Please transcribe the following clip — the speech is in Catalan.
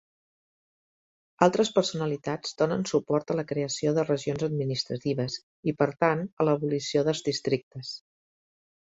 Altres personalitats donen suport a la creació de regions administratives i, per tant, a l'abolició dels districtes.